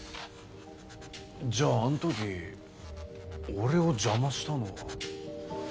じゃああの時俺を邪魔したのは。